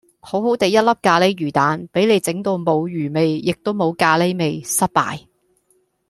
好好哋一粒咖喱魚蛋，俾你整到冇魚味亦都冇咖喱味，失敗